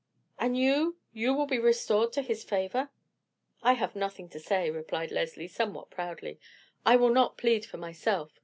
"And you—you will be restored to his favor?" "I have nothing to say," replied Leslie somewhat proudly. "I will not plead for myself.